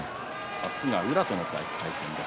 明日は宇良との対戦です。